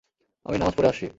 আমি নামাজ পড়ে আসছি।